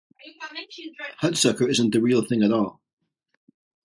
"Hudsucker" isn't the real thing at all.